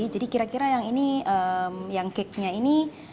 jadi kira kira yang ini yang cake nya ini